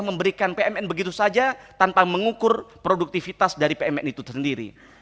memberikan pmn begitu saja tanpa mengukur produktivitas dari pmn itu sendiri